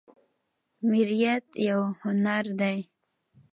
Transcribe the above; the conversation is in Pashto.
میریت یو هنر دی